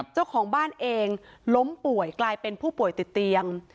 เจ้าของบ้านเองล้มป่วยกลายเป็นผู้ป่วยติดเตียง